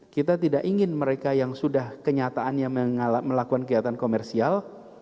kita tidak ingin mereka yang sudah kenyataannya melakukan kegiatan komersial